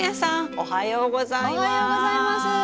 おはようございます。